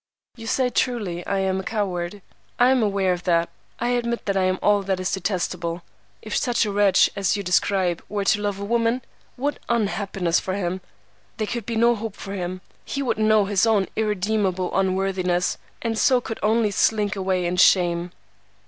"'You say truly I am a coward. I am aware of that. I admit that I am all that is detestable. If such a wretch as you describe were to love a woman, what unhappiness for him! There could be no hope for him. He would know his own irredeemable unworthiness, and so could only slink away in shame.